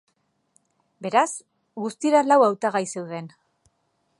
Beraz, guztira lau hautagai zeuden.